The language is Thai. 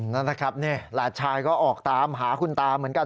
นั่นนะครับนี่หลานชายก็ออกตามหาคุณตาเหมือนกัน